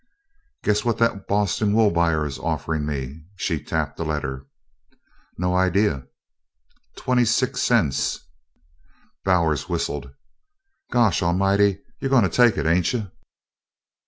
"Guess what that Boston woolbuyer is offering me?" She tapped a letter. "No idee." "Twenty six cents." Bowers whistled. "Gosh a'mighty! You're goin' to take it, ain't you?"